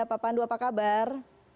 pandu apa kabar